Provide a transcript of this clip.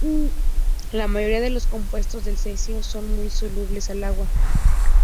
La mayoría de los compuestos del cesio son muy solubles en agua.